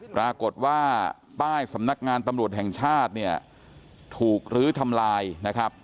ปรากฏว่าป้ายสำนักงานตำรวจแห่งชาติเนี่ยถูกลื้อทำลายนะครับ